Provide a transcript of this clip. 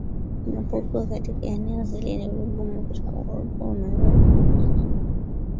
unapokuwa katika eneo hili ni vigumu kutambua kuwa unaweza kuondolewa